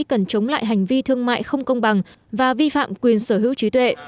cần chống lại hành vi thương mại không công bằng và vi phạm quyền sở hữu trí tuệ